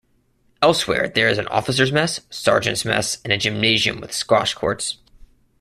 Elsewhere there is an officers' mess, sergeants' mess, and a gymnasium with squash courts.